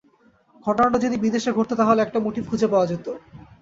ঘটনাটা যদি বিদেশে ঘটত, তাহলে একটা মোটিভ খুঁজে পাওয়া যেত।